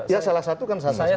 ya salah satu kan saya sebut tadi